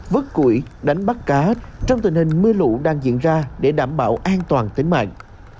vứt củi đánh bắt cá trong tình hình mưa lũ đang diễn ra để đảm bảo an toàn tính mạng